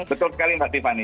betul sekali mbak tiffany